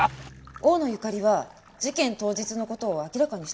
大野ゆかりは事件当日の事を明らかにしていません。